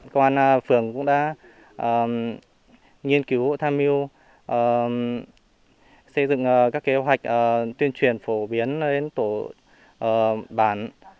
công an phường cũng đã nghiên cứu tham mưu xây dựng các kế hoạch tuyên truyền phổ biến đến tổ bản